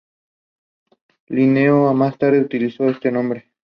Linneo más tarde utilizó este nombre.